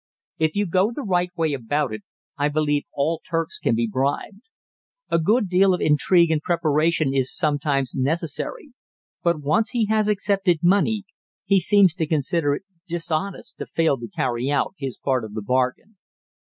If you go the right way about it I believe all Turks can be bribed. A good deal of intrigue and preparation is sometimes necessary; but once he has accepted money he seems to consider it dishonest to fail to carry out his part of the bargain.